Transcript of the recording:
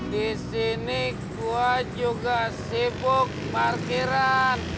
di sini gue juga sibuk parkiran